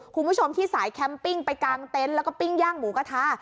คุณผู้ชมที่สายแคมปิ้งไปกางเต็นต์แล้วก็ปิ้งย่างหมูกระทะ